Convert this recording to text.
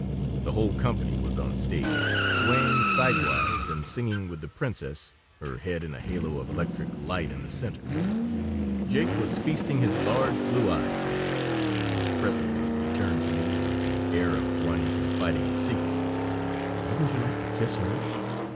The whole company was on the stage, swaying sidewise and singing with the princess, her head in a halo of electric light in the center. Jake was feasting his large blue eyes on her. Presently he turned to me with the air of one confiding a secret. "Wouldn't you like to kiss her?"